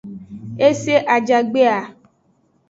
Ese ajagbe a.